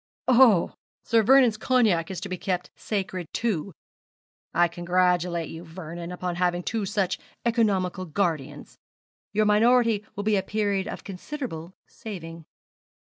'Oh! Sir Vernon's cognac is to be kept sacred, too. I congratulate you, Vernon, upon having two such economical guardians. Your minority will be a period of considerable saving.'